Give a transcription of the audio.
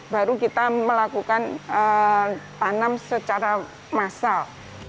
baru kita melakukan tanam secara massal